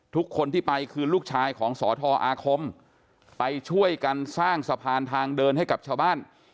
ทุกคนที่ไปคือลูกชายของสอทออาคมไปช่วยกันสร้างสะพานทางเดินให้กับชาวบ้าน